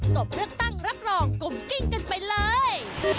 เลือกตั้งรับรองกุมกิ้งกันไปเลย